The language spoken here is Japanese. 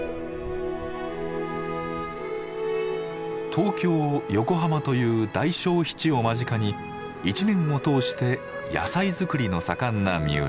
東京横浜という大消費地を間近に一年を通して野菜作りの盛んな三浦。